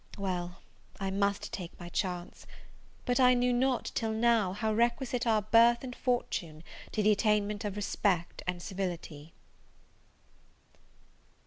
Well, I must take my chance! But I knew not, till now, how requisite are birth and fortune to the attainment of respect and civility.